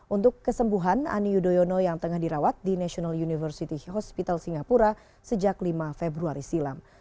untuk kesembuhan ani yudhoyono yang tengah dirawat di national university hospital singapura sejak lima februari silam